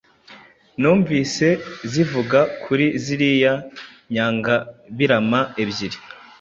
Nunvise zivuga kuri ziriya nyangabirama ebyiri